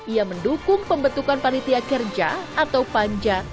ia mendukung pembentukan panitia kerja atau panja